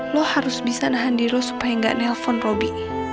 lo harus bisa nahan diri lo supaya enggak nelfon robi